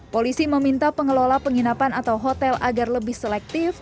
polisi meminta pengelola penginapan atau hotel agar lebih selektif